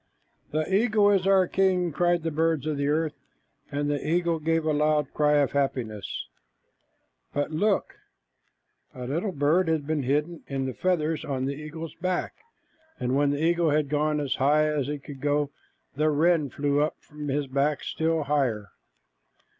"The eagle is our king," cried the birds on the earth, and the eagle gave a loud cry of happiness. But look! A little bird had been hidden in the feathers on the eagle's back, and when the eagle had gone as high as he could, the wren flew up from his back still higher.